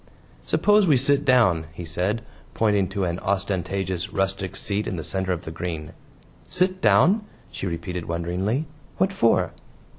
"Suppose we sit down," he said, pointing to an ostentatious rustic seat in the center of the green. "Sir down?" she repeated wonderingly. "What for?"